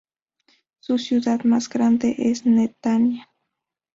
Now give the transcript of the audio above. Su ciudad más grande es Netanya.